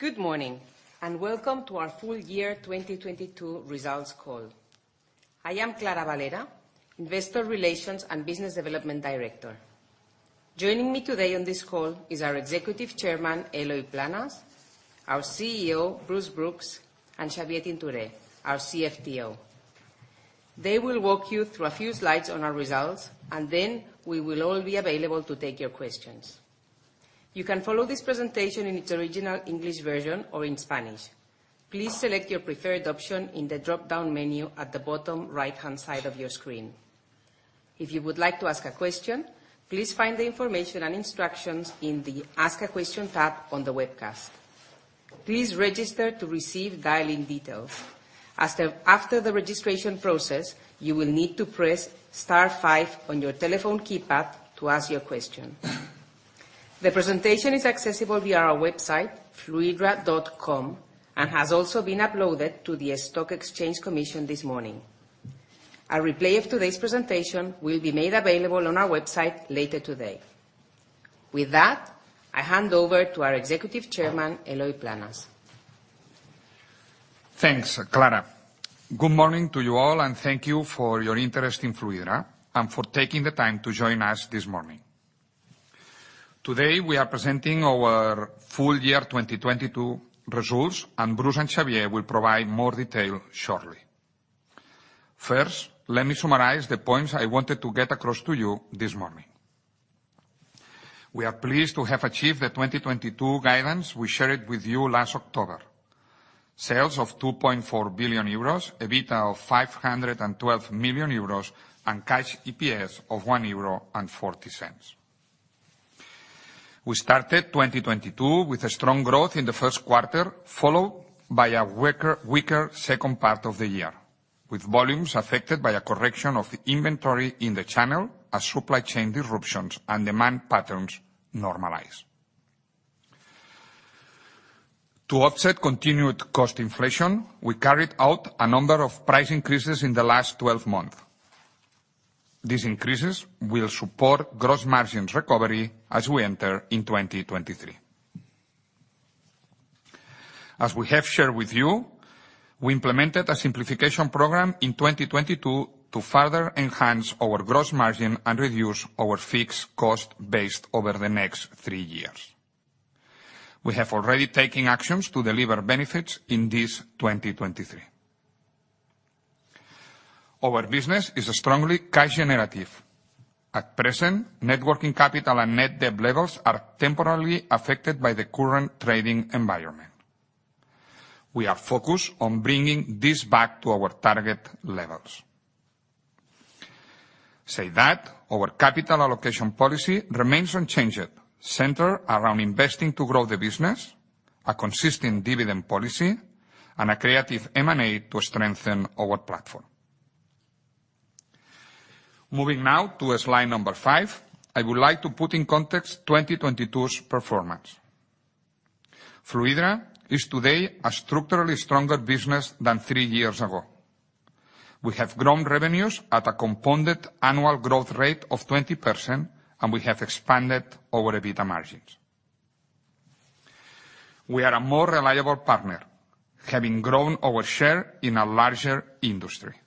Good morning, and welcome to our full year 2022 results call. I am Clara Valera, Investor Relations and Business Development Director. Joining me today on this call is our Executive Chairman, Eloi Planes, our CEO, Bruce Brooks, and Xavier Tintoré, our CFTO. They will walk you through a few slides on our results, and then we will all be available to take your questions. You can follow this presentation in its original English version or in Spanish. Please select your preferred option in the dropdown menu at the bottom right-hand side of your screen. If you would like to ask a question, please find the information and instructions in the Ask a Question tab on the webcast. Please register to receive dial-in details. After the registration process, you will need to press * 5 on your telephone keypad to ask your question. The presentation is accessible via our website, fluidra.com, and has also been uploaded to the Stock Exchange Commission this morning. A replay of today's presentation will be made available on our website later today. With that, I hand over to our Executive Chairman, Eloy Planes. Thanks, Clara. Good morning to you all, and thank you for your interest in Fluidra and for taking the time to join us this morning. Today, we are presenting our full year 2022 results, and Bruce and Xavier will provide more detail shortly. First, let me summarize the points I wanted to get across to you this morning. We are pleased to have achieved the 2022 guidance we shared with you last October. Sales of 2.4 billion euros, EBITDA of 512 million euros, and Cash EPS of 1.40 euro. We started 2022 with a strong growth in the Q1, followed by a weaker second part of the year, with volumes affected by a correction of the inventory in the channel as supply chain disruptions and demand patterns normalize. To offset continued cost inflation, we carried out a number of price increases in the last 12 months. These increases will support gross margins recovery as we enter in 2023. As we have shared with you, we implemented a simplification program in 2022 to further enhance our gross margin and reduce our fixed cost base over the next 3 years. We have already taken actions to deliver benefits in this 2023. Our business is strongly cash generative. At present, net working capital and net debt levels are temporarily affected by the current trading environment. We are focused on bringing this back to our target levels. Say that our capital allocation policy remains unchanged, centered around investing to grow the business, a consistent dividend policy, and accretive M&A to strengthen our platform. Moving now to slide number 5, I would like to put in context 2022's performance. Fluidra is today a structurally stronger business than 3 years ago. We have grown revenues at a compounded annual growth rate of 20%. We have expanded our EBITDA margins. We are a more reliable partner, having grown our share in a larger industry.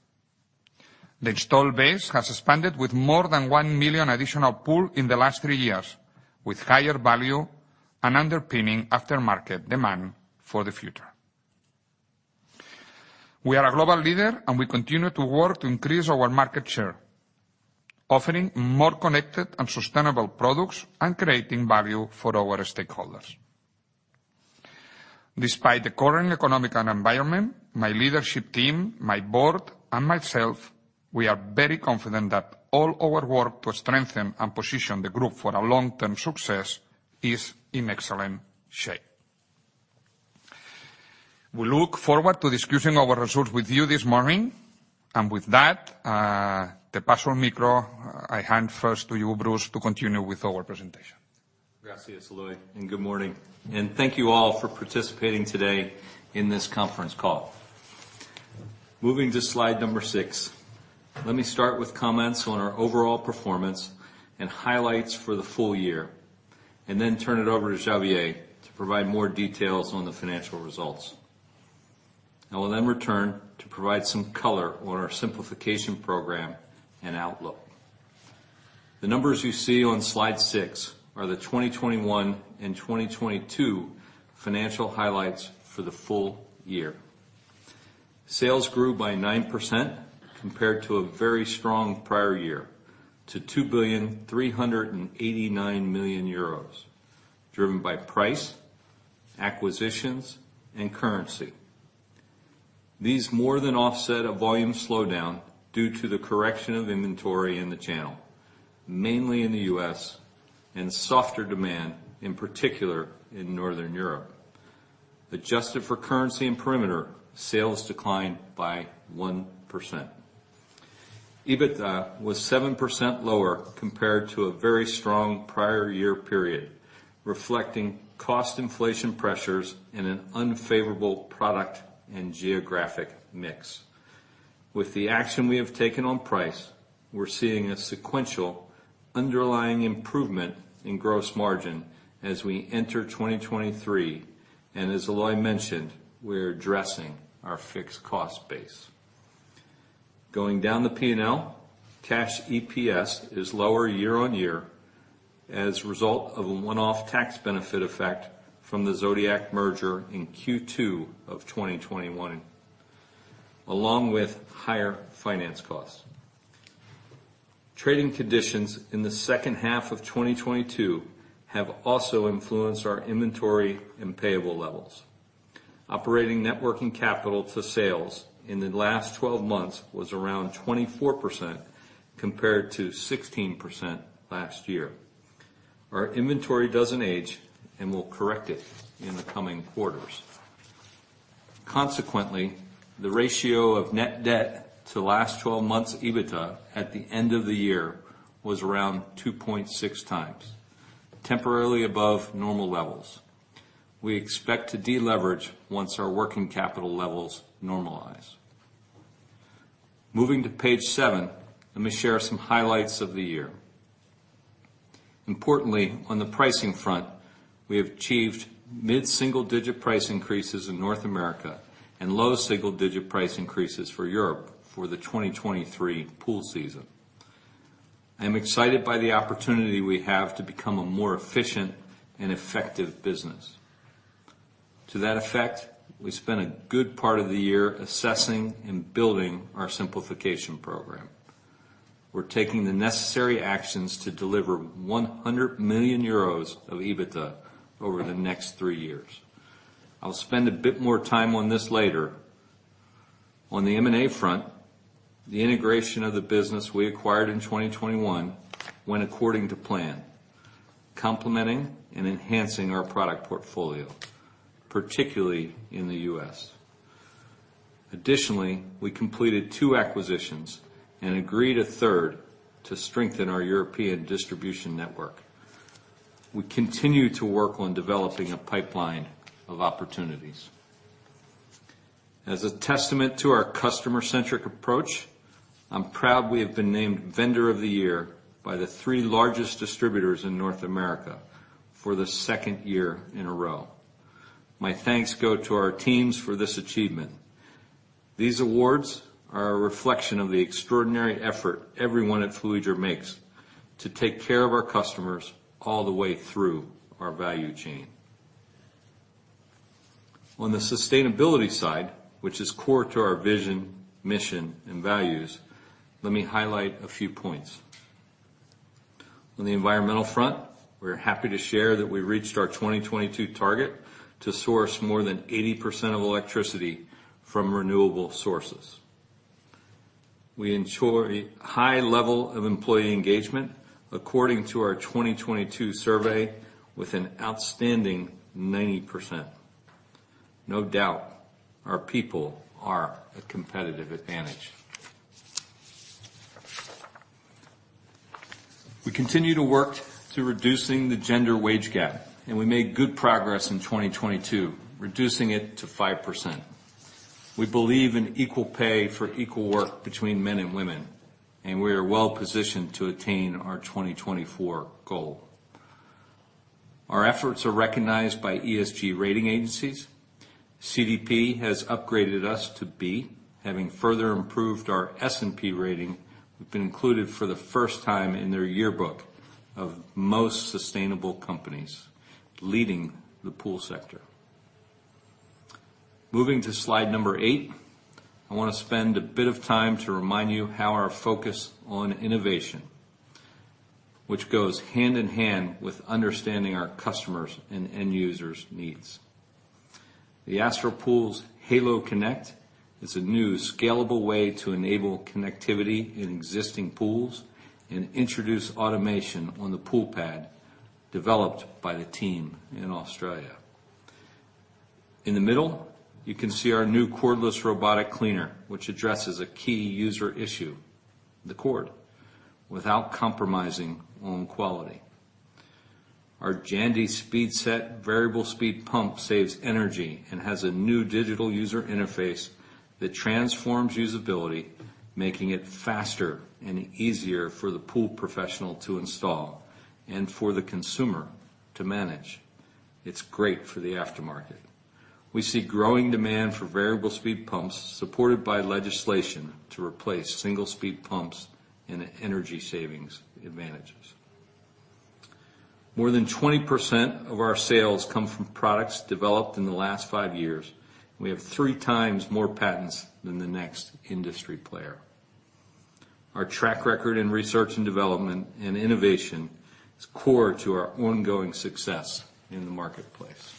The installed base has expanded with more than 1 million additional pool in the last 3 years, with higher value and underpinning aftermarket demand for the future. We are a global leader. We continue to work to increase our market share, offering more connected and sustainable products and creating value for our stakeholders. Despite the current economic environment, my leadership team, my board, and myself, we are very confident that all our work to strengthen and position the group for a long-term success is in excellent shape. We look forward to discussing our results with you this morning. With that, te paso el micro, I hand first to you, Bruce, to continue with our presentation. Gracias, Eloi, good morning. Thank you all for participating today in this conference call. Moving to slide number 6, let me start with comments on our overall performance and highlights for the full year, then turn it over to Xavier to provide more details on the financial results. I will return to provide some color on our simplification program and outlook. The numbers you see on slide 6 are the 2021 and 2022 financial highlights for the full year. Sales grew by 9% compared to a very strong prior year to 2,389 million euros, driven by price, acquisitions, and currency. These more than offset a volume slowdown due to the correction of inventory in the channel, mainly in the U.S., and softer demand, in particular in Northern Europe. Adjusted for currency and perimeter, sales declined by 1%. EBITDA was 7% lower compared to a very strong prior year period, reflecting cost inflation pressures in an unfavorable product and geographic mix. With the action we have taken on price, we're seeing a sequential underlying improvement in gross margin as we enter 2023, and as Eloi mentioned, we're addressing our fixed cost base. Going down the P&L, cash EPS is lower year-on-year as a result of a one-off tax benefit effect from the Zodiac merger in Q2 of 2021, along with higher finance costs. Trading conditions in the H2 of 2022 have also influenced our inventory and payable levels. Operating net working capital to sales in the last 12 months was around 24% compared to 16% last year. Our inventory doesn't age, and we'll correct it in the coming quarters. Consequently, the ratio of net debt to last 12 months EBITDA at the end of the year was around 2.6x, temporarily above normal levels. We expect to deleverage once our working capital levels normalize. Moving to page 7, let me share some highlights of the year. Importantly, on the pricing front, we have achieved mid-single-digit price increases in North America and low single-digit price increases for Europe for the 2023 pool season. I'm excited by the opportunity we have to become a more efficient and effective business. To that effect, we spent a good part of the year assessing and building our simplification program. We're taking the necessary actions to deliver 100 million euros of EBITDA over the next 3 years. I'll spend a bit more time on this later. On the M&A front, the integration of the business we acquired in 2021 went according to plan, complementing and enhancing our product portfolio, particularly in the U.S. Additionally, we completed 2 acquisitions and agreed 1/3 to strengthen our European distribution network. We continue to work on developing a pipeline of opportunities. As a testament to our customer-centric approach, I'm proud we have been named Vendor of the Year by the 3 largest distributors in North America for the 2nd year in a row. My thanks go to our teams for this achievement. These awards are a reflection of the extraordinary effort everyone at Fluidra makes to take care of our customers all the way through our value chain. On the sustainability side, which is core to our vision, mission, and values, let me highlight a few points. On the environmental front, we're happy to share that we reached our 2022 target to source more than 80% of electricity from renewable sources. We ensure a high level of employee engagement according to our 2022 survey with an outstanding 90%. No doubt, our people are a competitive advantage. We continue to work to reducing the gender wage gap. We made good progress in 2022, reducing it to 5%. We believe in equal pay for equal work between men and women. We are well-positioned to attain our 2024 goal. Our efforts are recognized by ESG rating agencies. CDP has upgraded us to B. Having further improved our S&P rating, we've been included for the first time in their yearbook of most sustainable companies, leading the pool sector. Moving to slide number 8, I want to spend a bit of time to remind you how our focus on innovation, which goes hand in hand with understanding our customers' and end users' needs. The AstralPool's Halo Connect is a new scalable way to enable connectivity in existing pools and introduce automation on the pool pad developed by the team in Australia. In the middle, you can see our new cordless robotic cleaner, which addresses a key user issue, the cord, without compromising on quality. Our Jandy SpeedSet variable speed pump saves energy and has a new digital user interface that transforms usability, making it faster and easier for the pool professional to install and for the consumer to manage. It's great for the aftermarket. We see growing demand for variable speed pumps supported by legislation to replace single-speed pumps and the energy savings advantages. More than 20% of our sales come from products developed in the last 5 years. We have 3 times more patents than the next industry player. Our track record in research and development and innovation is core to our ongoing success in the marketplace.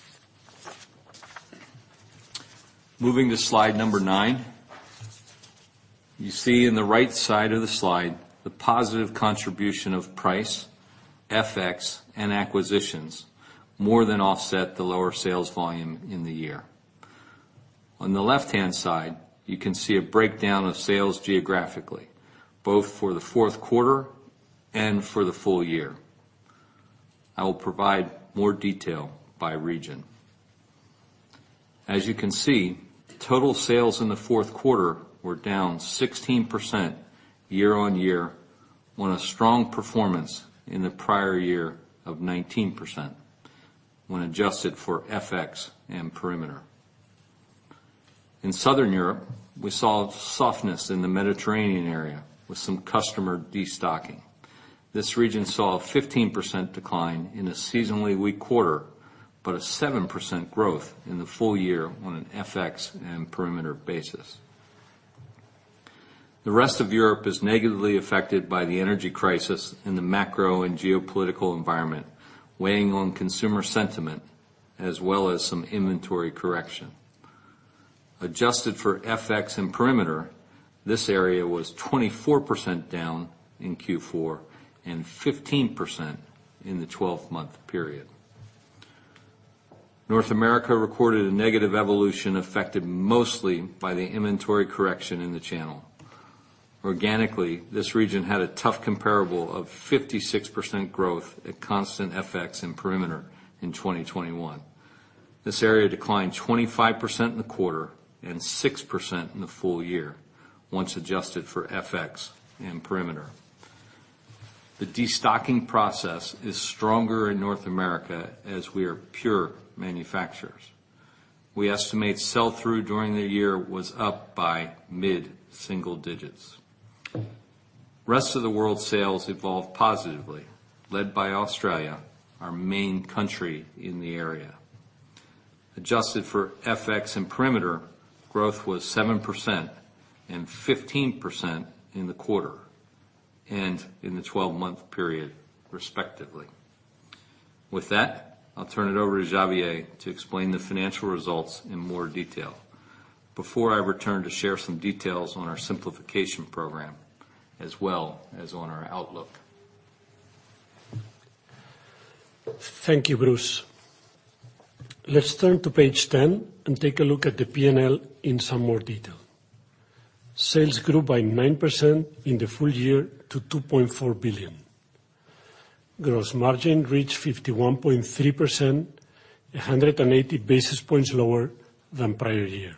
Moving to slide number 9, you see in the right side of the slide, the positive contribution of price, FX, and acquisitions more than offset the lower sales volume in the year. On the left-hand side, you can see a breakdown of sales geographically, both for the Q4 and for the full year. I will provide more detail by region. As you can see, total sales in the Q4 were down 16% year-on-year, on a strong performance in the prior year of 19% when adjusted for FX and perimeter. In Southern Europe, we saw softness in the Mediterranean area with some customer destocking. This region saw a 15% decline in a seasonally weak quarter, but a 7% growth in the full year on an FX and perimeter basis. The rest of Europe is negatively affected by the energy crisis in the macro and geopolitical environment, weighing on consumer sentiment as well as some inventory correction. Adjusted for FX and perimeter, this area was 24% down in Q4, and 15% in the 12-month period. North America recorded a negative evolution affected mostly by the inventory correction in the channel. Organically, this region had a tough comparable of 56% growth at constant FX and perimeter in 2021. This area declined 25% in the quarter and 6% in the full year, once adjusted for FX and perimeter. The destocking process is stronger in North America as we are pure manufacturers. We estimate sell-through during the year was up by mid-single digits. Rest of the world sales evolved positively, led by Australia, our main country in the area. Adjusted for FX and perimeter, growth was 7% and 15% in the quarter and in the 12-month period, respectively. With that, I'll turn it over to Xavier to explain the financial results in more detail before I return to share some details on our simplification program, as well as on our outlook. Thank you, Bruce. Let's turn to page 10 and take a look at the P&L in some more detail. Sales grew by 9% in the full year to 2.4 billion. Gross margin reached 51.3%, 180 basis points lower than prior year.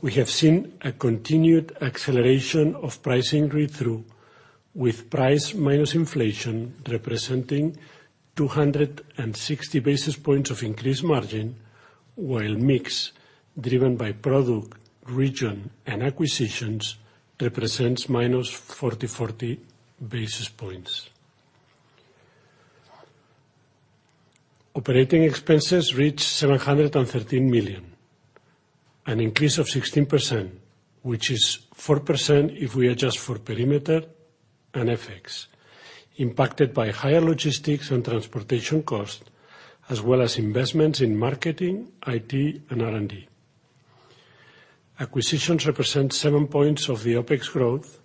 We have seen a continued acceleration of pricing read-through, with price minus inflation representing 260 basis points of increased margin, while mix, driven by product, region, and acquisitions, represents -40 basis points. Operating expenses reached 713 million, an increase of 16%, which is 4% if we adjust for perimeter and FX, impacted by higher logistics and transportation costs, as well as investments in marketing, IT, and R&D. Acquisitions represent 7 points of the OpEx growth,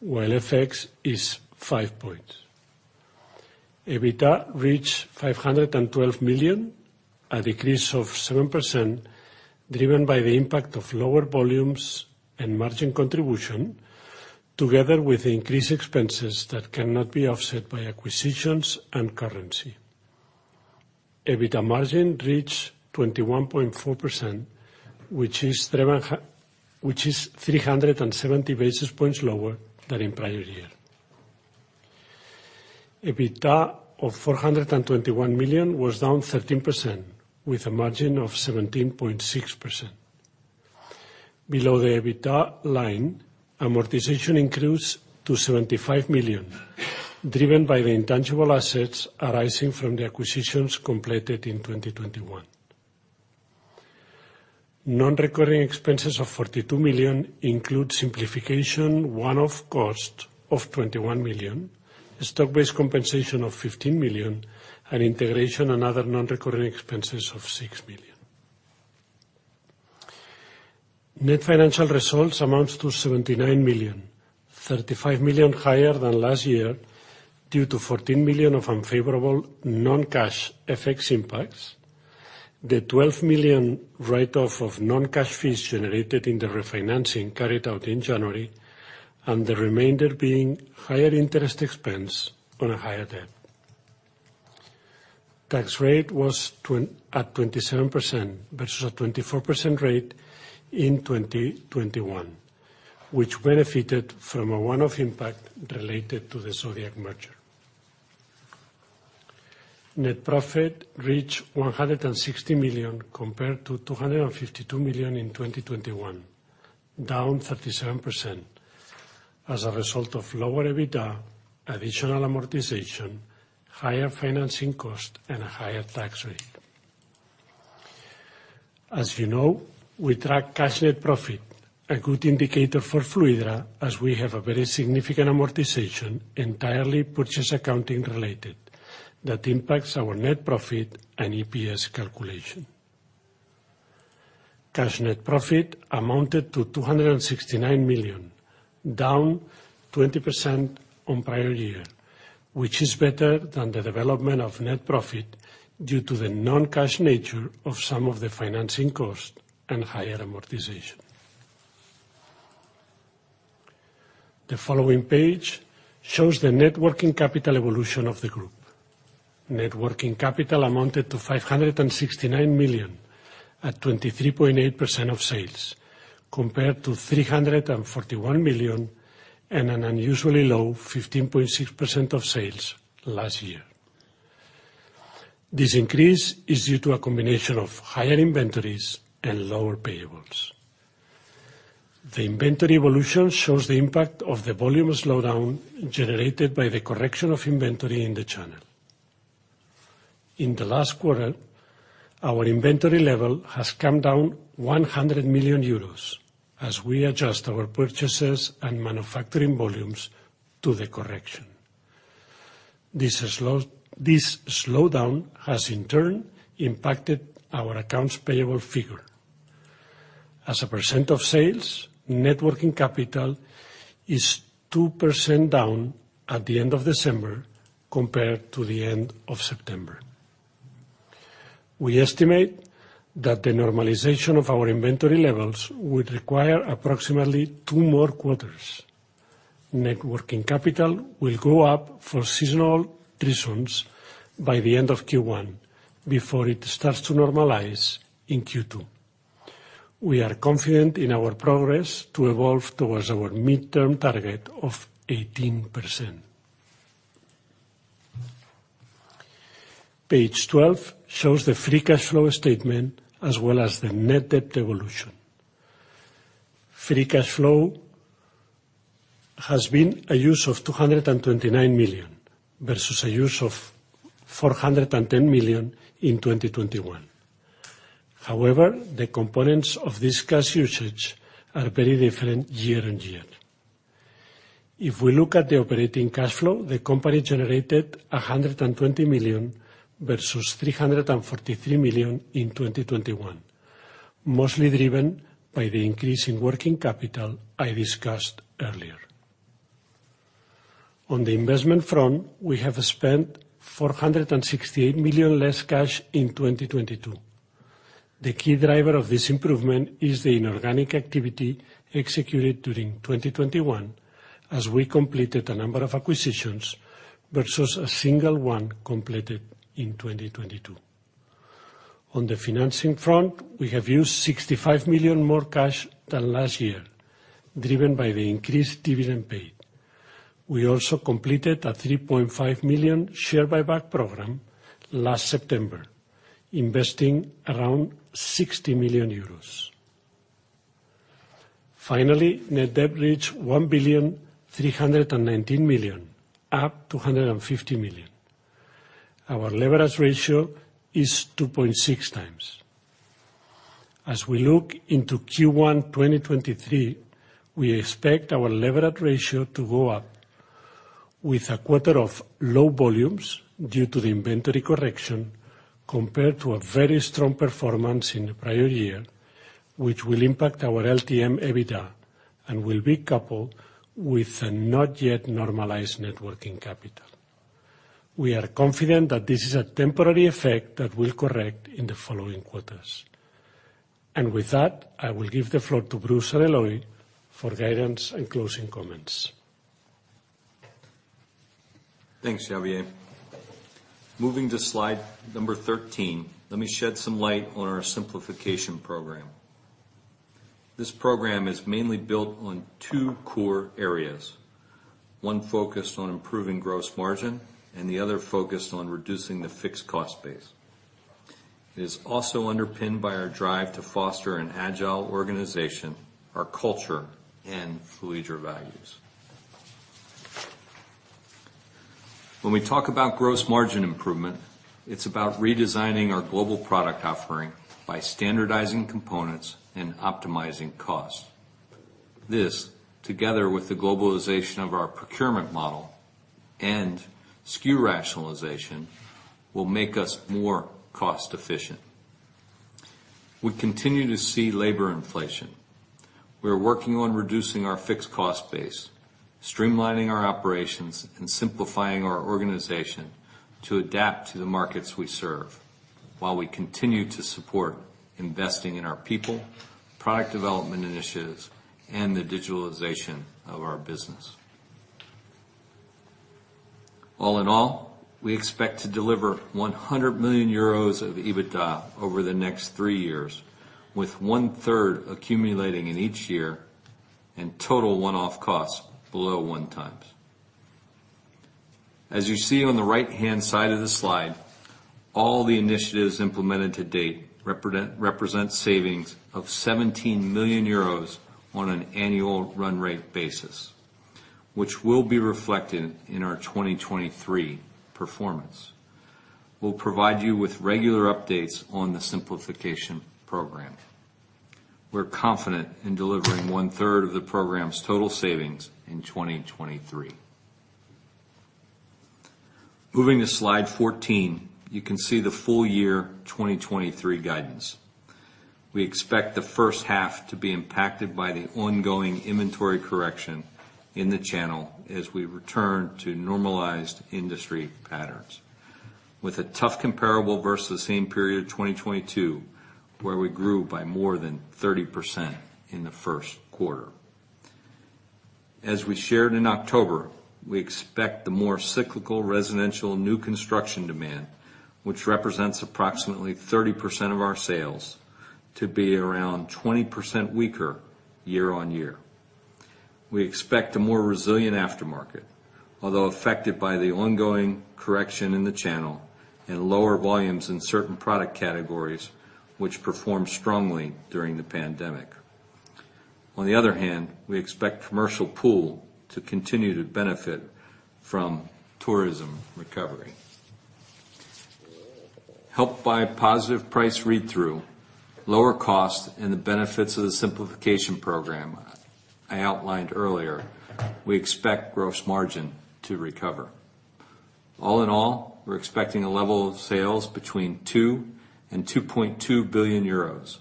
while FX is 5 points. EBITDA reached 512 million, a decrease of 7%, driven by the impact of lower volumes and margin contribution, together with increased expenses that cannot be offset by acquisitions and currency. EBITDA margin reached 21.4%, which is 370 basis points lower than in prior year. EBITDA of 421 million was down 13%, with a margin of 17.6%. Below the EBITDA line, amortization increased to 75 million, driven by the intangible assets arising from the acquisitions completed in 2021. Non-recurring expenses of 42 million include simplification, one-off cost of 21 million, stock-based compensation of 15 million, and integration and other non-recurring expenses of 6 million. Net financial results amounts to 79 million, 35 million higher than last year due to 14 million of unfavorable non-cash FX impacts. The 12 million write-off of non-cash fees generated in the refinancing carried out in January, and the remainder being higher interest expense on a higher debt. Tax rate was at 27% versus a 24% rate in 2021, which benefited from a one-off impact related to the Zodiac merger. Net profit reached 160 million compared to 252 million in 2021, down 37% as a result of lower EBITDA, additional amortization, higher financing cost, and a higher tax rate. As you know, we track cash net profit, a good indicator for Fluidra, as we have a very significant amortization, entirely purchase accounting-related, that impacts our net profit and EPS calculation. Cash net profit amounted to 269 million, down 20% on prior year, which is better than the development of net profit due to the non-cash nature of some of the financing cost and higher amortization. The following page shows the net working capital evolution of the group. Net working capital amounted to 569 million at 23.8% of sales, compared to 341 million and an unusually low 15.6% of sales last year. This increase is due to a combination of higher inventories and lower payables. The inventory evolution shows the impact of the volume slowdown generated by the correction of inventory in the channel. In the last quarter, our inventory level has come down 100 million euros as we adjust our purchases and manufacturing volumes to the correction. This slowdown has in turn impacted our accounts payable figure. As a % of sales, net working capital is 2% down at the end of December compared to the end of September. We estimate that the normalization of our inventory levels would require approximately 2 more quarters. Net working capital will go up for seasonal reasons by the end of Q1 before it starts to normalize in Q2. We are confident in our progress to evolve towards our midterm target of 18%. Page 12 shows the free cash flow statement as well as the net debt evolution. Free cash flow has been a use of 229 million versus a use of 410 million in 2021. The components of this cash usage are very different year-on-year. We look at the operating cash flow, the company generated 120 million versus 343 million in 2021, mostly driven by the increase in working capital I discussed earlier. On the investment front, we have spent 468 million less cash in 2022. The key driver of this improvement is the inorganic activity executed during 2021 as we completed a number of acquisitions versus a single 1 completed in 2022. On the financing front, we have used 65 million more cash than last year, driven by the increased dividend paid. We also completed a 3.5 million share buyback program last September, investing around 60 million euros. Finally, net debt reached 1,319 million, up 250 million. Our leverage ratio is 2.6 times. As we look into Q1 2023, we expect our leverage ratio to go up with a quarter of low volumes due to the inventory correction compared to a very strong performance in the prior year, which will impact our LTM EBITDA and will be coupled with a not yet normalized net working capital. We are confident that this is a temporary effect that will correct in the following quarters. With that, I will give the floor to Bruce and Eloi for guidance and closing comments. Thanks, Xavier. Moving to slide number 13, let me shed some light on our simplification program. This program is mainly built on 2 core areas, 1 focused on improving gross margin and the other focused on reducing the fixed cost base. It is also underpinned by our drive to foster an agile organization, our culture and Fluidra values. When we talk about gross margin improvement, it's about redesigning our global product offering by standardizing components and optimizing costs. This, together with the globalization of our procurement model and SKU rationalization, will make us more cost efficient. We continue to see labor inflation. We are working on reducing our fixed cost base, streamlining our operations, and simplifying our organization to adapt to the markets we serve while we continue to support investing in our people, product development initiatives, and the digitalization of our business. All in all, we expect to deliver 100 million euros of EBITDA over the next 3 years, with 1/3 accumulating in each year and total one-off costs below 1x. As you see on the right-hand side of the slide, all the initiatives implemented to date represent savings of 17 million euros on an annual run rate basis, which will be reflected in our 2023 performance. We'll provide you with regular updates on the simplification program. We're confident in delivering 1/3 of the program's total savings in 2023. Moving to slide 14, you can see the full year 2023 guidance. We expect the H1 to be impacted by the ongoing inventory correction in the channel as we return to normalized industry patterns. With a tough comparable versus the same period of 2022, where we grew by more than 30% in the Q1. As we shared in October, we expect the more cyclical residential new construction demand, which represents approximately 30% of our sales, to be around 20% weaker year-on-year. We expect a more resilient aftermarket, although affected by the ongoing correction in the channel and lower volumes in certain product categories, which performed strongly during the pandemic. We expect commercial pool to continue to benefit from tourism recovery. Helped by positive price read-through, lower cost and the benefits of the simplification program I outlined earlier, we expect gross margin to recover. All in all, we're expecting a level of sales between 2 billion and 2.2 billion euros.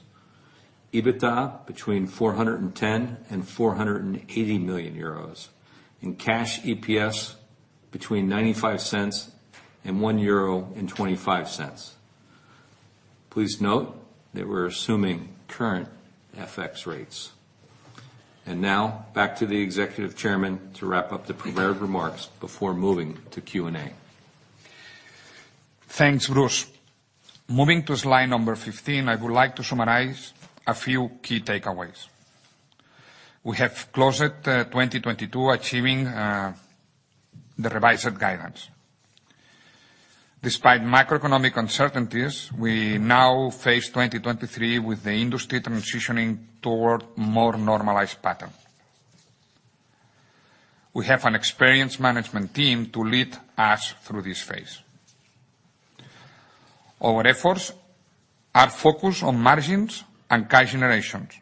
EBITDA between 410 million and 480 million euros. Cash EPS between 0.95 and 1.25 euro. Please note that we're assuming current FX rates. Now back to the Executive Chairman to wrap up the prepared remarks before moving to Q&A. Thanks, Bruce. Moving to slide number 15, I would like to summarize a few key takeaways. We have closed 2022 achieving the revised guidance. Despite macroeconomic uncertainties, we now face 2023 with the industry transitioning toward more normalized pattern. We have an experienced management team to lead us through this phase. Our efforts are focused on margins and cash generations.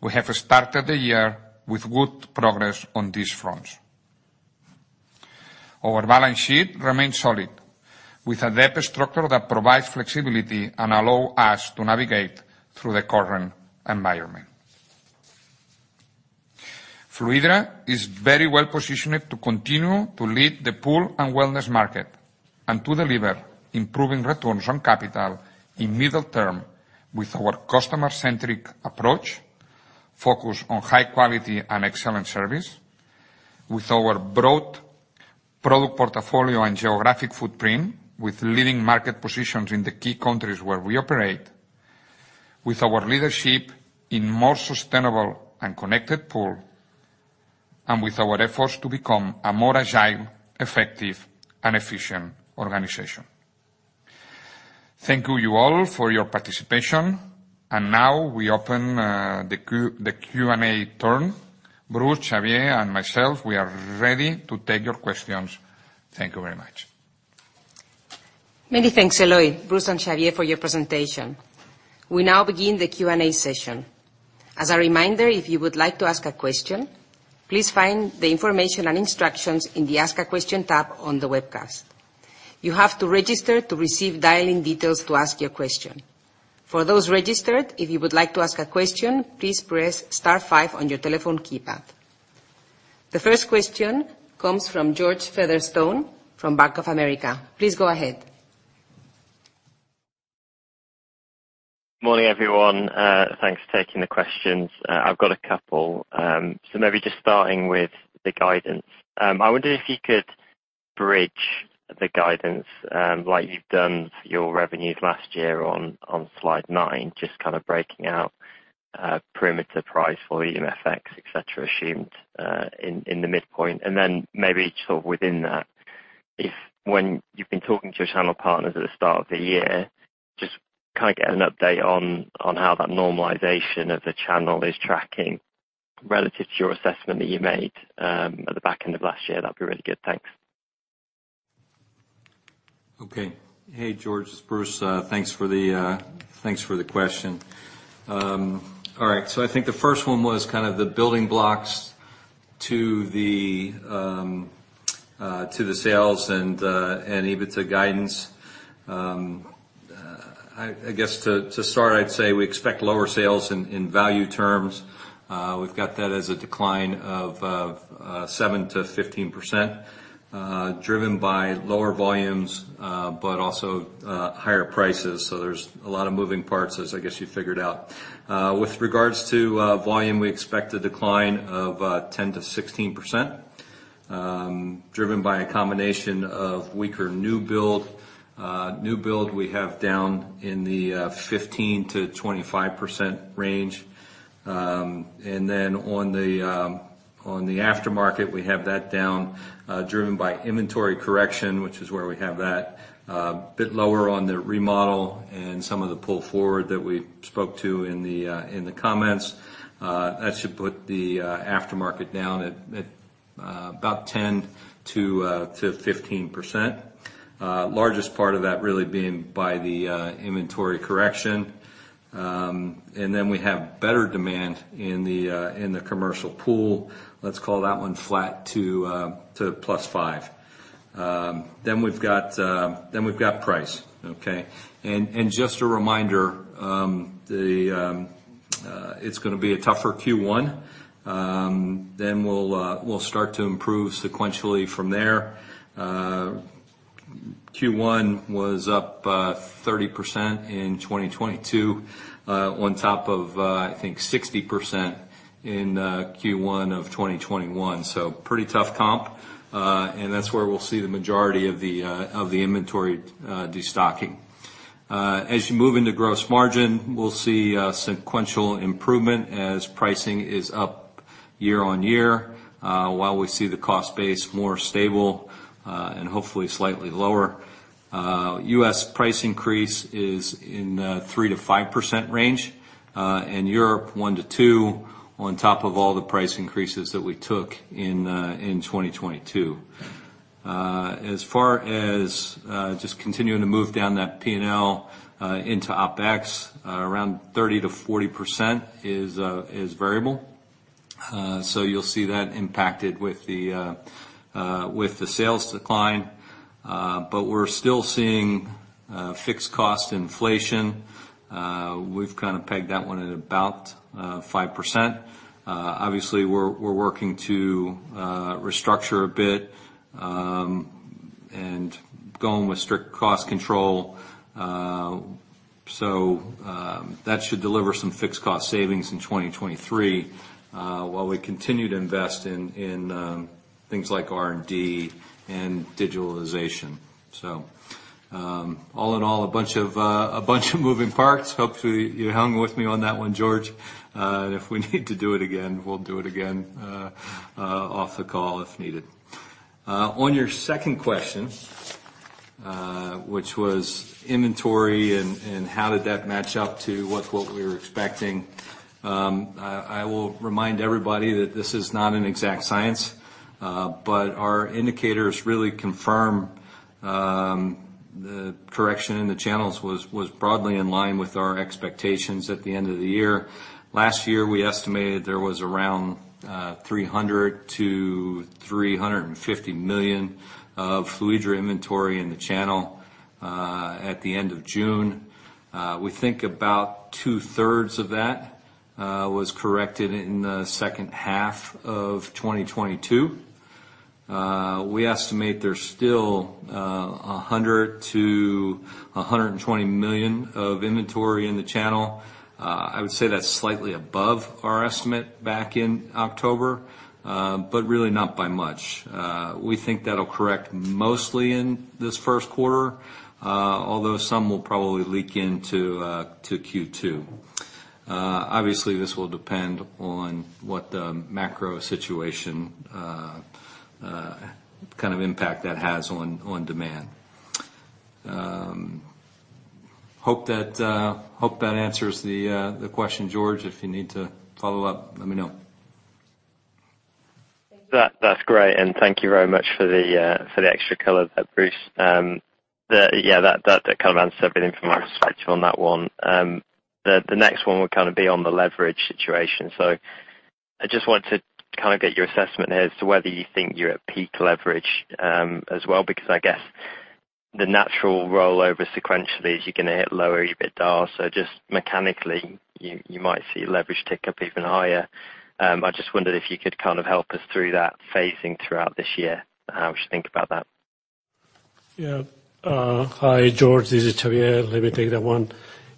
We have started the year with good progress on these fronts. Our balance sheet remains solid, with a debt structure that provides flexibility and allow us to navigate through the current environment. Fluidra is very well positioned to continue to lead the pool and wellness market, and to deliver improving returns on capital in middle term with our customer-centric approach, focused on high quality and excellent service, with our broad product portfolio and geographic footprint, with leading market positions in the key countries where we operate, with our leadership in more sustainable and connected pool, and with our efforts to become a more agile, effective, and efficient organization. Thank you all for your participation. Now we open the Q&A turn. Bruce, Xavier, and myself, we are ready to take your questions. Thank you very much. Many thanks, Eloi, Bruce, and Xavier, for your presentation. We now begin the Q&A session. As a reminder, if you would like to ask a question, please find the information and instructions in the Ask a Question tab on the webcast. You have to register to receive dialing details to ask your question. For those registered, if you would like to ask a question, please press * 5 on your telephone keypad. The 1st question comes from George Featherstone from Bank of America. Please go ahead. Morning, everyone. Thanks for taking the questions. I've got a couple. Maybe just starting with the guidance. I wonder if you could bridge the guidance, like you've done for your revenues last year on slide 9, just kind of breaking out perimeter price, volume, FX, et cetera, assumed in the midpoint. Then maybe sort of within that, if when you've been talking to your channel partners at the start of the year, just kind of get an update on how that normalization of the channel is tracking relative to your assessment that you made at the back end of last year. That'd be really good. Thanks. Okay. Hey, George, it's Bruce. Thanks for the thanks for the question. All right, I think the 1st one was kind of the to the sales and EBITDA guidance. I guess to start, I'd say we expect lower sales in value terms. We've got that as a decline of 7%-15%, driven by lower volumes, but also higher prices. There's a lot of moving parts as I guess you figured out. With regards to volume, we expect a decline of 10%-16%, driven by a combination of weaker new build. New build we have down in the 15%-25% range. On the aftermarket, we have that down, driven by inventory correction, which is where we have that bit lower on the remodel and some of the pull forward that we spoke to in the comments. That should put the aftermarket down at about 10%-15%. Largest part of that really being by the inventory correction. We have better demand in the commercial pool. Let's call that 1 flat to +5%. Then we've got price. Okay? Just a reminder, it's gonna be a tougher Q1. We'll start to improve sequentially from there. Q1 was up 30% in 2022 on top of I think 60% in Q1 of 2021. Pretty tough comp. That's where we'll see the majority of the of the inventory destocking. As you move into gross margin, we'll see sequential improvement as pricing is up year-on-year while we see the cost base more stable and hopefully slightly lower. US price increase is in the 3%-5% range and Europe 1%-2% on top of all the price increases that we took in 2022. As far as just continuing to move down that P&L into OpEx, around 30%-40% is is variable. You'll see that impacted with the with the sales decline. We're still seeing fixed cost inflation. We've kinda pegged that 1 at about 5%. Obviously, we're working to restructure a bit, going with strict cost control, that should deliver some fixed cost savings in 2023, while we continue to invest in things like R&D and digitalization. All in all, a bunch of a bunch of moving parts. Hopefully you hung with me on that 1, George. If we need to do it again, we'll do it again off the call if needed. On your 2nd question, which was inventory and how did that match up to what we were expecting? I will remind everybody that this is not an exact science, but our indicators really confirm the correction in the channels was broadly in line with our expectations at the end of the year. Last year, we estimated there was around 300 million-350 million of Fluidra inventory in the channel at the end of June. We think about 2/3 of that was corrected in the H2 of 2022. We estimate there's still 100 million-120 million of inventory in the channel. I would say that's slightly above our estimate back in October, but really not by much. We think that'll correct mostly in this Q1, although some will probably leak into Q2. Obviously, this will depend on what the macro situation, kind of impact that has on demand. Hope that answers the question, George. If you need to follow up, let me know. That's, that's great, thank you very much for the extra color there, Bruce. That kind of answered everything from my perspective on that one. The next one would kind of be on the leverage situation. I just wanted to kind of get your assessment as to whether you think you're at peak leverage as well, because I guess the natural rollover sequentially is you're gonna hit lower EBITDA. Just mechanically, you might see leverage tick up even higher. I just wondered if you could kind of help us through that phasing throughout this year, and how we should think about that. Hi, George. This is Xavier. Let me take that 1.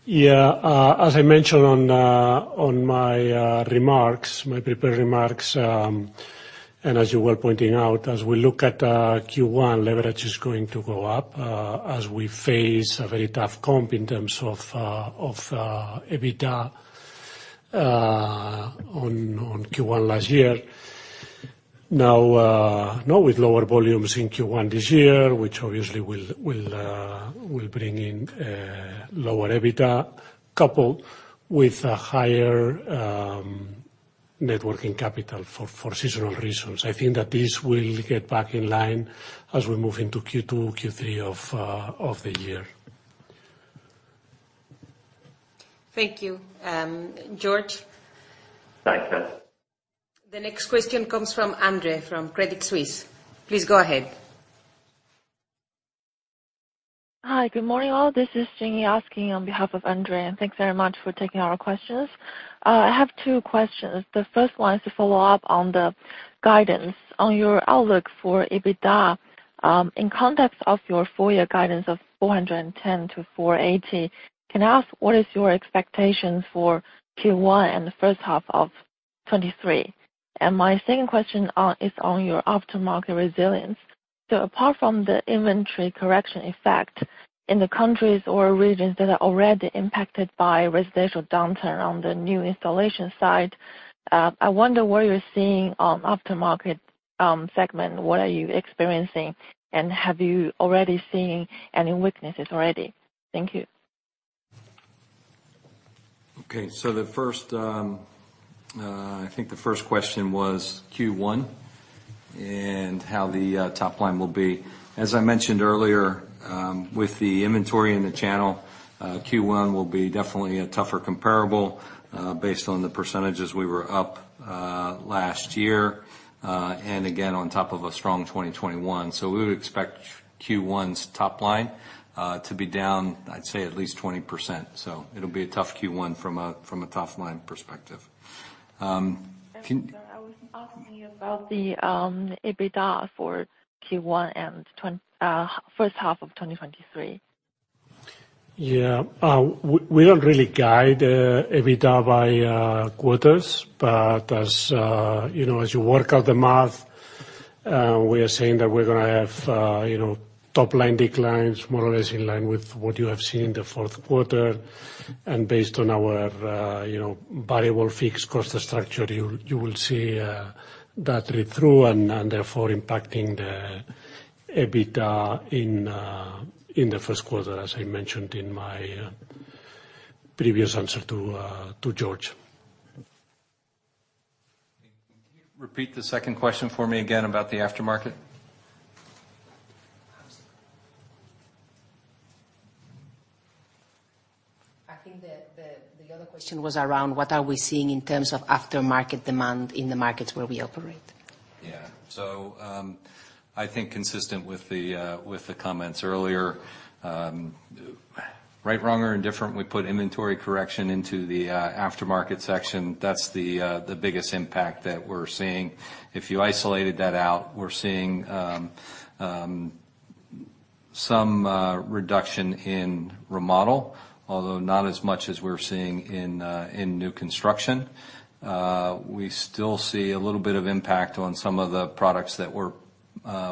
As I mentioned on my remarks, my prepared remarks, and as you were pointing out, as we look at Q1, leverage is going up, as we face a very tough comp in terms of EBITDA on Q1 last year. Now with lower volumes in Q1 this year, which obviously will bring in lower EBITDA coupled with a higher net working capital for seasonal reasons. I think that this will get back in line as we move into Q2, Q3 of the year. Thank you. George. Thanks. The next question comes from Andre, from Credit Suisse. Please go ahead. Hi, good morning, all. This is Jenny asking on behalf of Andre. Thanks very much for taking our questions. I have 2 questions. The first one is to follow up on the guidance. On your outlook for EBITDA, in context of your full year guidance of 410-480, can I ask what is your expectation for Q1 and the H1 of 2023? My 2nd question is on your aftermarket resilience. Apart from the inventory correction effect in the countries or regions that are already impacted by residential downturn on the new installation side, I wonder where you're seeing on aftermarket segment. What are you experiencing, and have you already seen any weaknesses already? Thank you. Okay. The 1st, I think the 1st question was Q1 and how the top line will be. As I mentioned earlier, with the inventory in the channel, Q1 will be definitely a tougher comparable, based on the percentages we were up last year. Again, on top of a strong 2021. We would expect Q1's top line to be down, I'd say, at least 20%. It'll be a tough Q1 from a top line perspective. Can. About the EBITDA for Q1 and H1 of 2023. We don't really guide EBITDA by quarters, but as you know, as you work out the math, we are saying that we're gonna have, you know, top line declines more or less in line with what you have seen in the Q4. Based on our, you know, variable fixed cost structure, you will see that read through and therefore impacting the EBITDA in the Q1, as I mentioned in my previous answer to George. Can you repeat the 2nd question for me again about the aftermarket? I think the other question was around what are we seeing in terms of aftermarket demand in the markets where we operate. I think consistent with the comments earlier, right, wrong, or indifferent, we put inventory correction into the aftermarket section. That's the biggest impact that we're seeing. If you isolated that out, we're seeing some reduction in remodel, although not as much as we're seeing in new construction. We still see a little bit of impact on some of the products that were,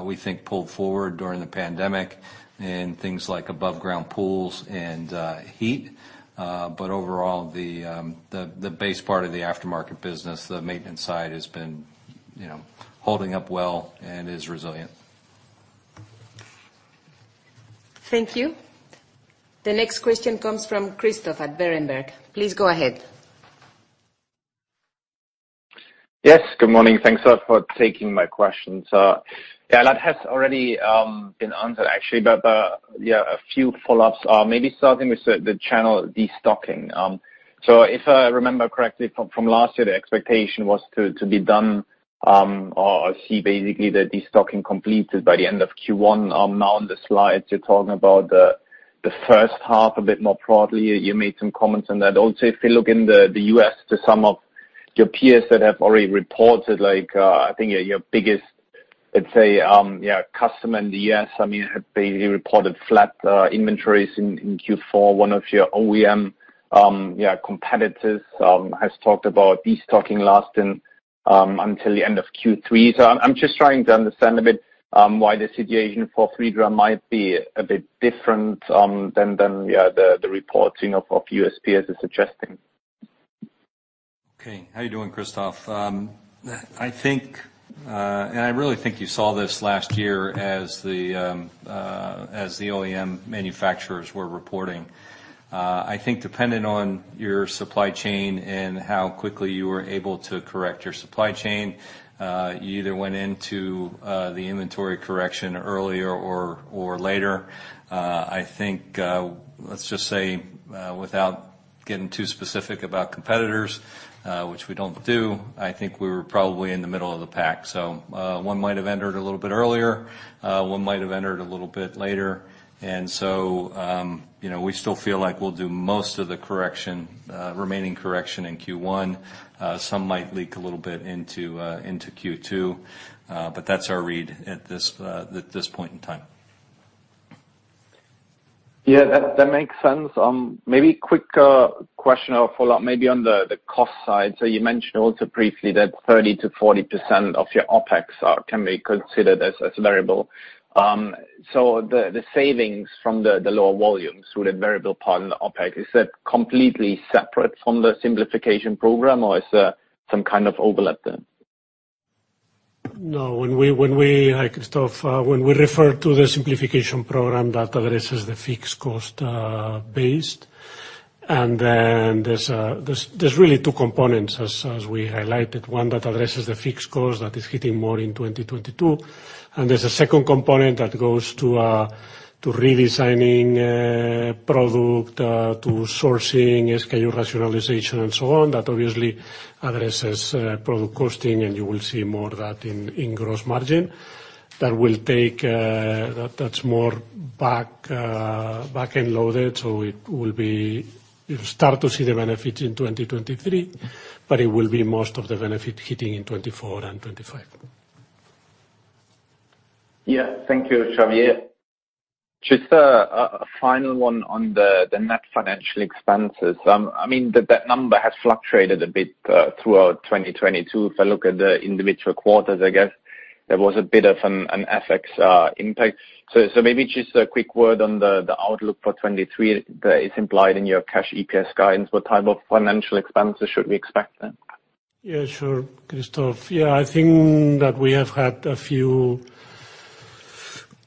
we think pulled forward during the pandemic in things like above ground pools and heat. Overall, the base part of the aftermarket business, the maintenance side has been, you know, holding up well and is resilient. Thank you. The next question comes from Christoph at Berenberg. Please go ahead. Yes, good morning. Thanks a lot for taking my questions. That has already been answered actually. But, a few follow-ups. Maybe starting with the channel de-stocking. So if I remember correctly from last year, the expectation was to be done or see basically the de-stocking completed by the end of Q1. Now on the slides, you're talking about the H1 a bit more broadly. You made some comments on that. Also, if you look in the U.S. to some of your peers that have already reported like, I think your biggest, let's say, customer in the U.S., I mean, have basically reported flat inventories in Q4. 1 of your OEM, competitors has talked about de-stocking lasting until the end of Q3. I'm just trying to understand a bit, why the situation for Fluidra might be a bit different, than, the reporting of U.S. peers is suggesting. Okay. How you doing, Christoph? I think I really think you saw this last year as the OEM manufacturers were reporting. I think dependent on your supply chain and how quickly you were able to correct your supply chain, you either went into the inventory correction earlier or later. I think let's just say without getting too specific about competitors, which we don't do, I think we were probably in the middle of the pack. 1 might have entered a little bit earlier, 1 might have entered a little bit later. You know, we still feel like we'll do most of the correction, remaining correction in Q1. Some might leak a little bit into Q2, but that's our read at this, at this point in time. That, that makes sense. Maybe quick question or follow-up maybe on the cost side. You mentioned also briefly that 30%-40% of your OpEx are can be considered as variable. The savings from the lower volumes through the variable part in the OpEx, is that completely separate from the simplification program, or is there some kind of overlap there? No. When we, like Christoph, when we refer to the simplification program that addresses the fixed cost based, and then there's really 2 components as we highlighted. 1 that addresses the fixed cost that is hitting more in 2022, and there's a 2nd component that goes to redesigning product, to sourcing, SKU rationalization and so on, that obviously addresses product costing, and you will see more of that in gross margin. That will take, that's more backend loaded. You'll start to see the benefits in 2023, but it will be most of the benefit hitting in 2024 and 2025. Thank you, Xavier. Just a final 1 on the net financial expenses. I mean, that number has fluctuated a bit throughout 2022. If I look at the individual quarters, I guess there was a bit of an FX impact. Maybe just a quick word on the outlook for 2023 that is implied in your Cash EPS guidance. What type of financial expenses should we expect then? Sure, Christoph. I think that we have had a few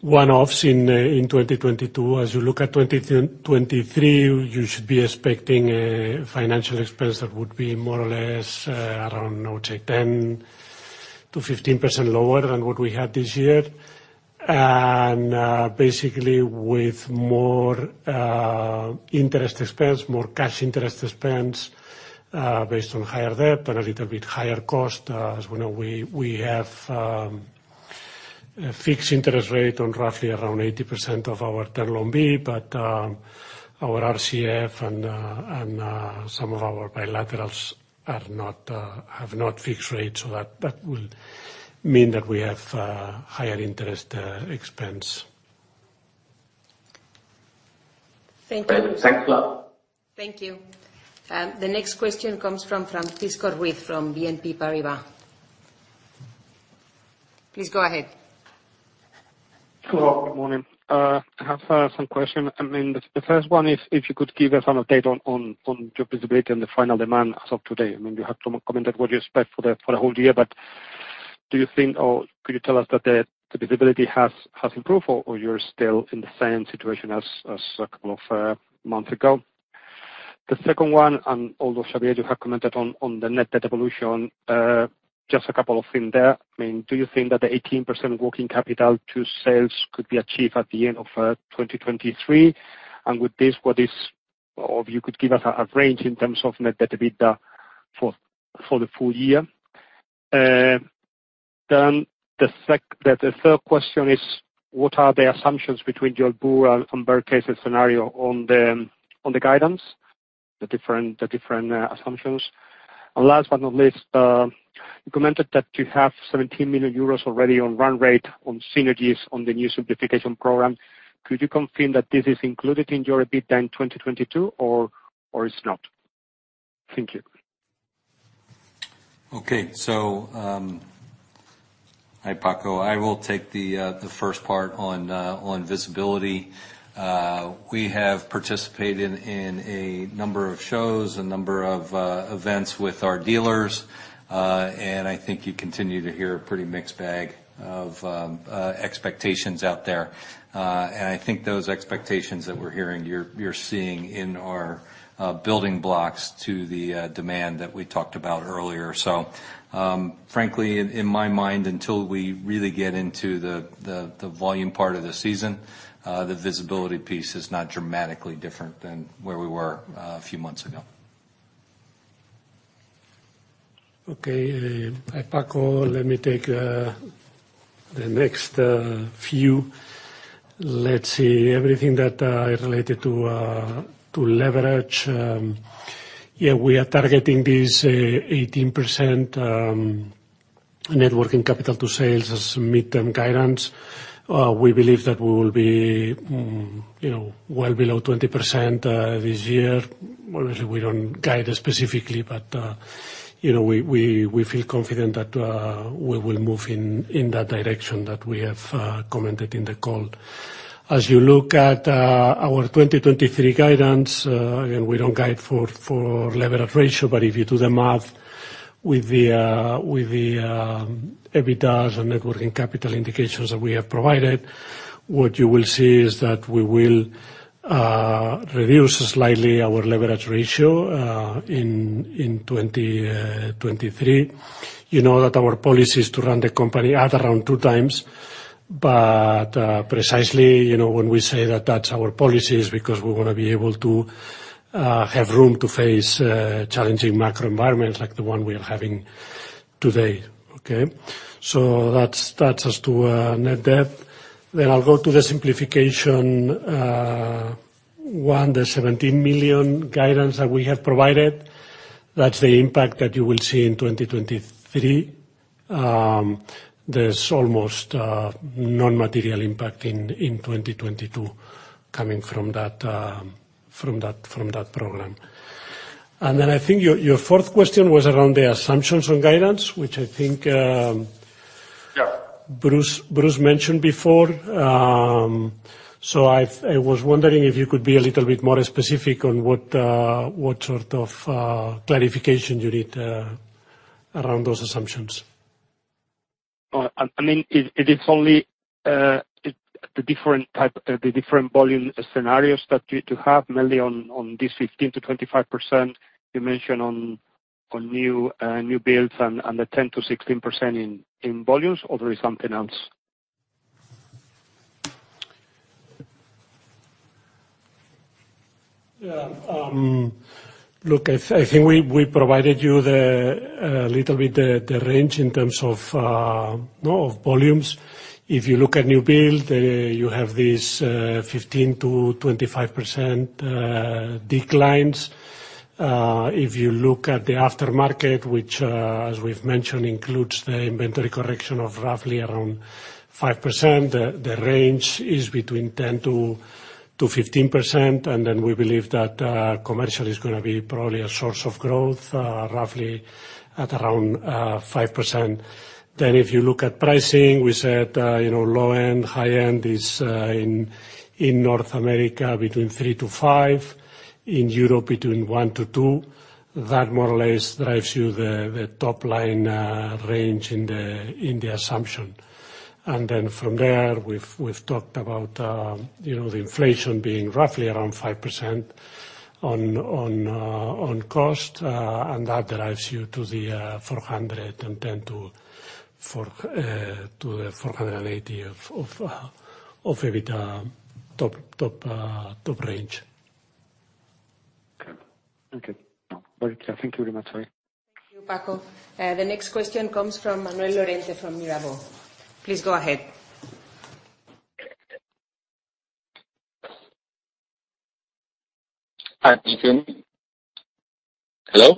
one-offs in 2022. As you look at 2023, you should be expecting a financial expense that would be more or less around, I would say, 10%-15% lower than what we had this year. Basically with more interest expense, more cash interest expense based on higher debt and a little bit higher cost. As we know, we have a fixed interest rate on roughly around 80% of our Term Loan B, but our RCF and and some of our bilaterals are not fixed rates. That will mean that we have higher interest expense. Thanks, Claude. Thank you. The next question comes from Paco Ruiz from BNP Paribas. Please go ahead. Hello, good morning. I have some question. I mean, the first one is if you could give us some update on your visibility in the final demand as of today? I mean, you have commented what you expect for the whole year, but do you think or could you tell us that the visibility has improved or you're still in the same situation as a couple of months ago? The second one, although, Xavier, you have commented on the net debt evolution, just a couple of thing there. I mean, do you think that the 18% working capital to sales could be achieved at the end of 2023? If you could give us a range in terms of net debt to EBITDA for the full year. The 3rd question is what are the assumptions between your bull and bear case scenario on the guidance, the different assumptions. Last but not least, you commented that you have 17 million euros already on run rate on synergies on the new simplification program. Could you confirm that this is included in your EBITDA in 2022 or it's not? Thank you. Okay. Hi, Paco. I will take the first part on visibility. We have participated in a number of shows, a number of events with our dealers, I think you continue to hear a pretty mixed bag of expectations out there. I think those expectations that we're hearing, you're seeing in our building blocks to the demand that we talked about earlier. frankly, in my mind, until we really get into the volume part of the season, the visibility piece is not dramatically different than where we were a few months ago. Okay. Hi, Paco. Let me take the next few. Let's see. Everything that is related to leverage, we are targeting this 18% net working capital to sales as midterm guidance. We believe that we will be, you know, well below 20% this year. Obviously, we don't guide specifically, but, you know, we feel confident that we will move in that direction that we have commented in the call. As you look at our 2023 guidance, again, we don't guide for leverage ratio, but if you do the math with the EBITDAs and net working capital indications that we have provided, what you will see is that we will reduce slightly our leverage ratio in 2023. You know that our policy is to run the company at around 2 times. Precisely, you know, when we say that that's our policy is because we wanna be able to have room to face challenging macro environments like the 1 we are having today. Okay? That's, that's as to net debt. I'll go to the simplification 1, the 17 million guidance that we have provided. That's the impact that you will see in 2023. There's almost non-material impact in 2022 coming from that program. I think your 4th question was around the assumptions on guidance, which I think. Yeah Bruce mentioned before. I was wondering if you could be a little bit more specific on what sort of clarification you need around those assumptions? I mean, it is only the different type, the different volume scenarios that you have mainly on this 15%-25% you mentioned on new builds and the 10%-16% in volumes, or there is something else? Look, I think we provided you the little bit the range in terms of volumes. If you look at new build, you have these 15%-25% declines. If you look at the aftermarket, which as we've mentioned, includes the inventory correction of roughly around 5%, the range is between 10%-15%. We believe that commercial is gonna be probably a source of growth, roughly at around 5%. If you look at pricing, we said, you know, low-end, high-end is in North America between 3%-5%, in Europe between 1%-2%. That more or less drives you the top line range in the assumption. From there, we've talked about, you know, the inflation being roughly around 5% on cost, and that drives you to the 410-480 of EBITDA top range. Okay. No, very clear. Thank you very much, sorry. Thank you, Paco. The next question comes from Manuel Lorente from Mirabaud. Please go ahead. Hi, can you hear me? Hello? I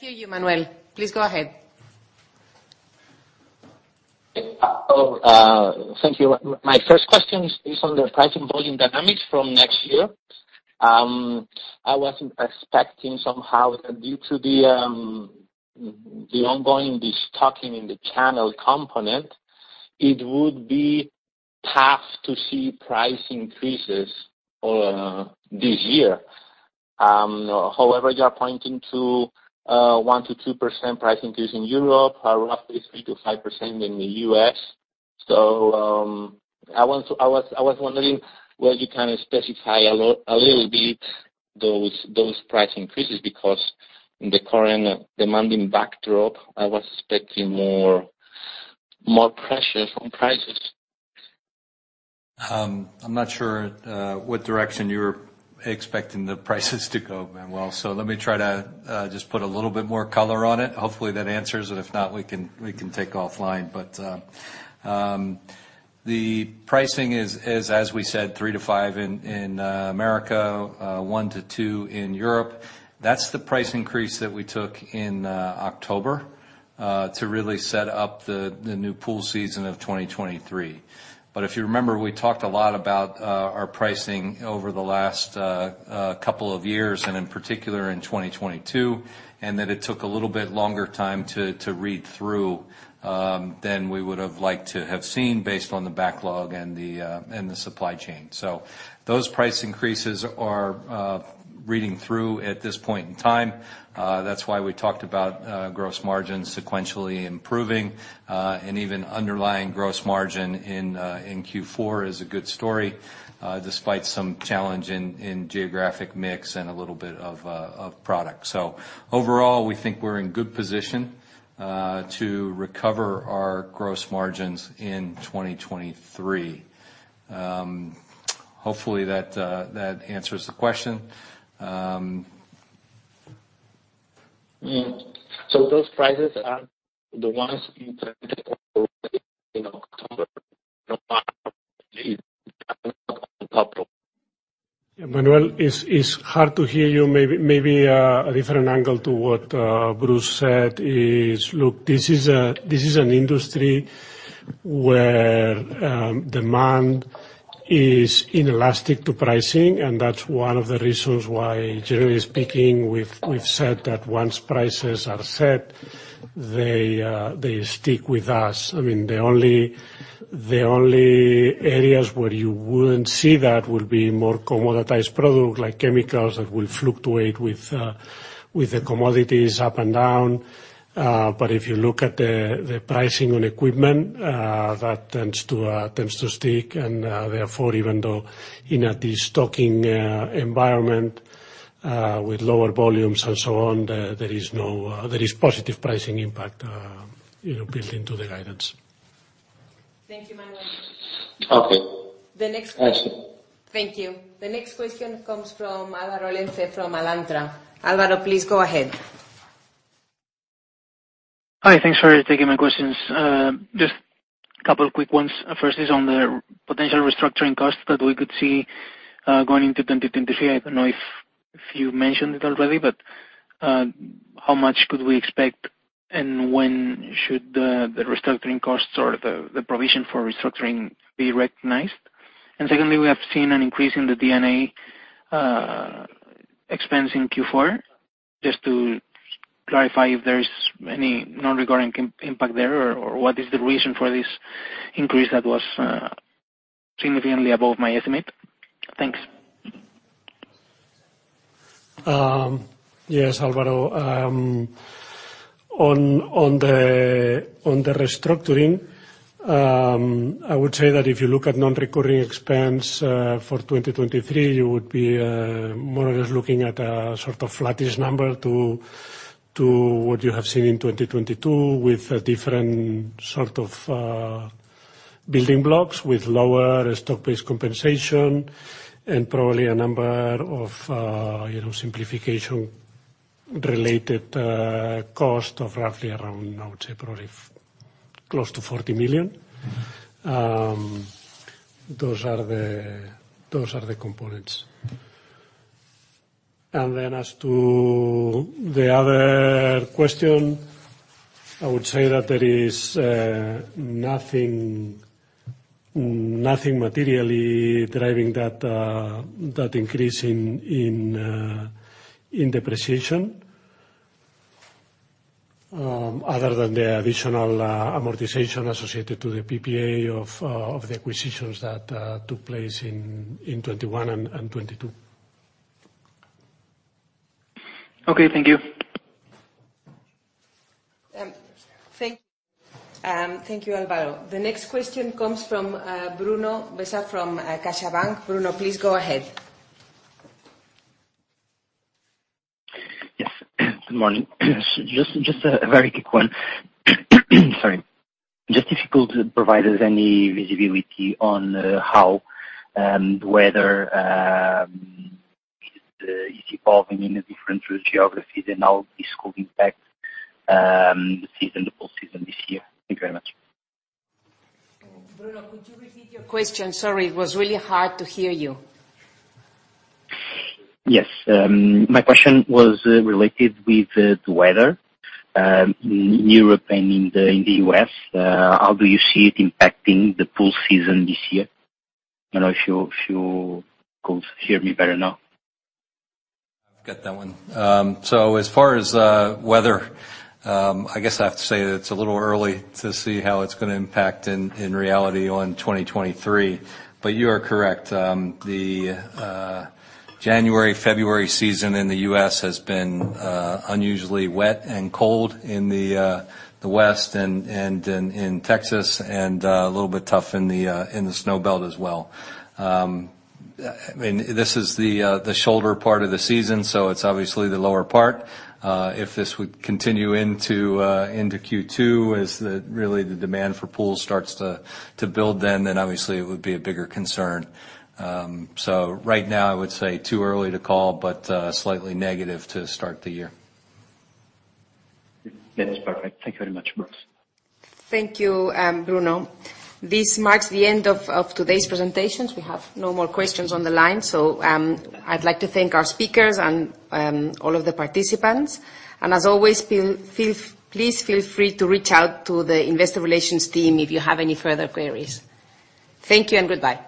hear you, Manuel. Please go ahead. Okay. Thank you. My 1st question is on the pricing volume dynamics from next year. I wasn't expecting somehow that due to the ongoing de-stocking in the channel component, it would be tough to see price increases this year. However, you are pointing to 1%-2% price increase in Europe, or roughly 3%-5% in the US. I was wondering whether you can specify a little bit those price increases because in the current demanding backdrop, I was expecting more pressure from prices. I'm not sure what direction you're expecting the prices to go, Manuel. Let me try to just put a little bit more color on it. Hopefully, that answers it. If not, we can, we can take offline. The pricing is as we said, 3%-5% in America, 1%-2% in Europe. That's the price increase that we took in October to really set up the new pool season of 2023. If you remember, we talked a lot about our pricing over the last couple of years, and in particular in 2022, and that it took a little bit longer time to read through than we would have liked to have seen based on the backlog and the supply chain. Those price increases are reading through at this point in time. That's why we talked about gross margin sequentially improving and even underlying gross margin in Q4 is a good story despite some challenge in geographic mix and a little bit of product. Overall, we think we're in good position to recover our gross margins in 2023. Hopefully that answers the question. Those prices are the ones you intended in October. Manuel, it's hard to hear you. Maybe, a different angle to what Bruce said is, look, this is an industry where demand is inelastic to pricing, and that's 1 of the reasons why, generally speaking, we've said that once prices are set, they stick with us. I mean, the only areas where you wouldn't see that would be more commoditized product like chemicals that will fluctuate with the commodities up and down. If you look at the pricing on equipment, that tends to stick. Therefore, even though in a de-stocking environment, with lower volumes and so on, there is no, there is positive pricing impact, you know, built into the guidance. Thank you, Manuel. Okay. The next- Thanks. Thank you. The next question comes from Alvaro Llorente from Alantra. Alvaro, please go ahead. Hi. Thanks for taking my questions. Just a couple of quick ones. First is on the potential restructuring costs that we could see going into 2023. I don't know if you mentioned it already, but how much could we expect, and when should the restructuring costs or the provision for restructuring be recognized? Secondly, we have seen an increase in the D&A expense in Q4. Just to clarify if there is any non-recurring impact there or what is the reason for this increase that was significantly above my estimate? Thanks. Yes, Alvaro. On the restructuring, I would say that if you look at non-recurring expense for 2023, you would be more or less looking at a sort of flattish number to what you have seen in 2022, with a different sort of building blocks, with lower stock-based compensation and probably a number of, you know, simplification-related cost of roughly around, I would say probably close to EUR 40 million. Mm-hmm. components. As to the other question, I would say that there is nothing materially driving that increase in depreciation, other than the additional amortization associated to the PPA of the acquisitions that took place in 2021 and 2022. Okay, thank you. Thank you, Alvaro. The next question comes from Bruno Bessa from CaixaBank. Bruno, please go ahead. Yes. Good morning. Just a very quick 1. Sorry. Just if you could provide us any visibility on how the weather is evolving in the different geographies and how this could impact the season, the pool season this year. Thank you very much. Bruno, could you repeat your question? Sorry, it was really hard to hear you. Yes. My question was related with the weather in Europe and in the US. How do you see it impacting the pool season this year? I don't know if you could hear me better now. I've got that 1. As far as, weather, I guess I have to say that it's a little early to see how it's gonna impact in reality on 2023. You are correct. The January, February season in the U.S. has been unusually wet and cold in the West and, in Texas and, a little bit tough in the Snowbelt as well. I mean, this is the shoulder part of the season, so it's obviously the lower part. If this would continue into Q2 as the, really the demand for pools starts to build then obviously it would be a bigger concern. Right now I would say too early to call, but, slightly negative to start the year. Yes, perfect. Thank you very much, Bruce. Thank you, Bruno. This marks the end of today's presentations. We have no more questions on the line. I'd like to thank our speakers and all of the participants. As always, please feel free to reach out to the investor relations team if you have any further queries. Thank you and goodbye.